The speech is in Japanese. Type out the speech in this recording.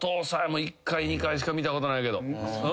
１回２回しか見たことないけど。